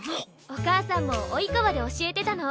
お母さんも「生川」で教えてたの。